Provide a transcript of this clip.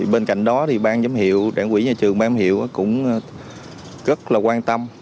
bên cạnh đó thì ban giám hiệu đảng quỹ nhà trường ban giám hiệu cũng rất là quan tâm